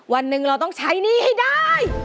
วันหนึ่งเราต้องใช้หนี้ให้ได้